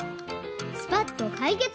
「スパッとかいけつ！